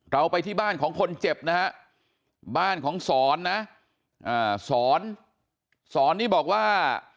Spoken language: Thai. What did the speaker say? ไปที่บ้านของคนเจ็บนะฮะบ้านของสอนนะสอนสอนนี่บอกว่า